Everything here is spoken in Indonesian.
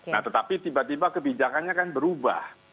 nah tetapi tiba tiba kebijakannya kan berubah